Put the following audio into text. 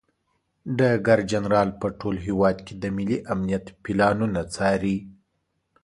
ډګر جنرال په ټول هیواد کې د ملي امنیت پلانونه څاري.